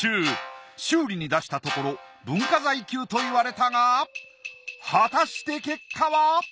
修理に出したところ文化財級といわれたが果たして結果は！？